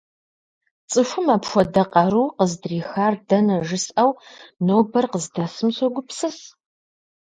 ЦӀыхум апхуэдэ къару къыздрихар дэнэ жысӀэу, нобэр къыздэсым согупсыс.